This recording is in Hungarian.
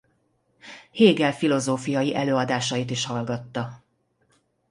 Hegel filozófiai előadásait is hallgatta.